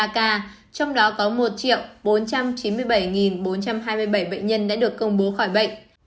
ba ca trong đó có một bốn trăm chín mươi bảy bốn trăm hai mươi bảy bệnh nhân đã được công bố khỏi bệnh